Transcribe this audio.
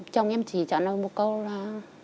chồng em chỉ trả lời một câu là